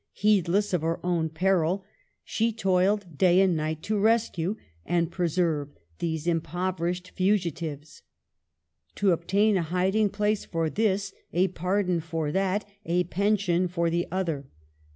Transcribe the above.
Heedless of her own peril, she toiled day and night to rescue and pre serve these impoverished fugitives, — to obtain a hiding place for this, a pardon for that, a pension for the other.